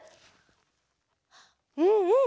うんうん。